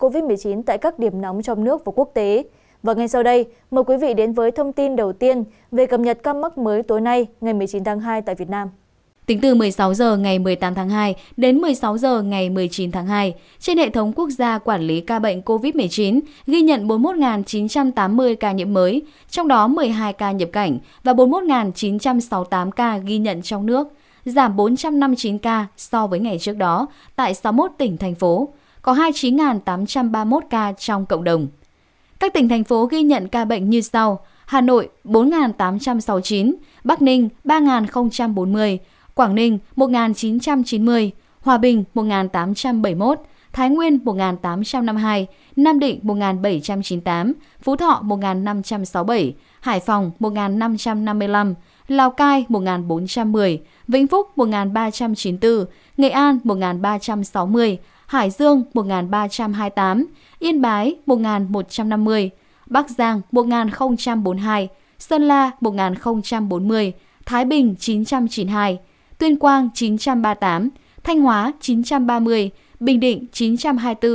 và ngay sau đây mời quý vị đến với thông tin đầu tiên về cập nhật các mức mới tối nay ngày một mươi chín tháng hai tại việt nam